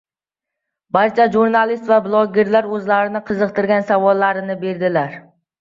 Barcha jurnalist va blogerlar oʻzlarini qiziqtirgan savollarni berdilar.